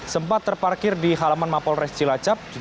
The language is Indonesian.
sempat terparkir di halaman mapolres cilacap